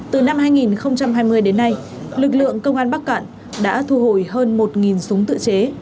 từ năm hai nghìn hai mươi đến nay lực lượng công an bắc cạn đã thu hồi hơn một súng tự chế